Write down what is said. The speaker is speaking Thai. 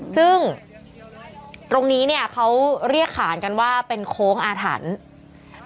ซึ่งตรงนี้เนี่ยเขาเรียกขานกันว่าเป็นโค้งอาถรรพ์